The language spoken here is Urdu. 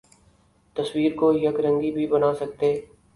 تصویر کو یک رنگی بھی بنا سکتے